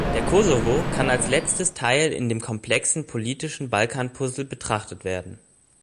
Der Kosovo kann als letztes Teil in dem komplexen politischen Balkan-Puzzle betrachtet werden.